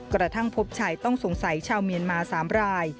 กระทั่งพบชายต้องสงสัยชาวเมียนมา๓ราย